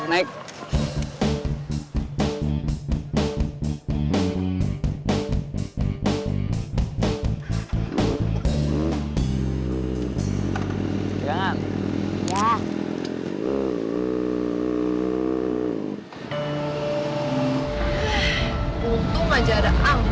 untung aja ada angkot